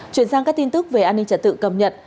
chuyển sang các tin tức về an ninh trật tự cầm nhận